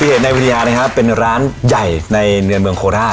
เหตุในวิทยานะครับเป็นร้านใหญ่ในเนือนเมืองโคราช